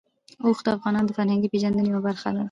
اوښ د افغانانو د فرهنګي پیژندنې یوه برخه ده.